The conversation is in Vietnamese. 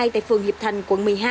tại phường hiệp thành quận một mươi hai